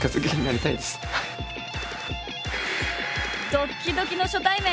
ドッキドキの初対面！